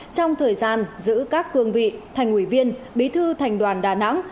trong thời gian giữ các cương vị thành ủy viên bí thư thành đoàn đà nẵng